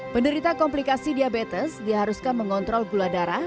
penderita komplikasi diabetes diharuskan mengontrol gula darah